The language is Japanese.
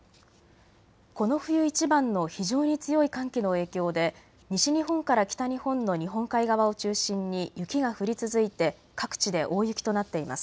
この冬いちばんの非常に強い寒気の影響で西日本から北日本の日本海側を中心に雪が降り続いて各地で大雪となっています。